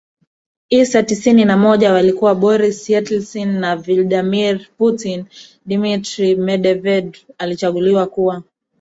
isa tisini na moja walikuwa Boris Yeltsin na Vladimir PutinDmitry Medvedev alichaguliwa kuwa